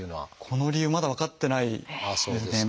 この理由まだ分かってないんですね。